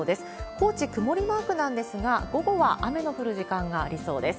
高知、曇りマークなんですが、午後は雨の降る時間がありそうです。